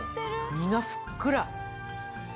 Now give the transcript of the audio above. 身がふっくら。